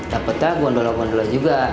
dapet ya gondola gondola juga